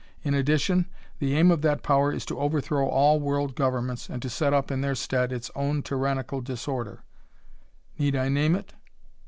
In addition, the aim of that power is to overthrow all world governments and set up in their stead its own tyrannical disorder. Need I name it?"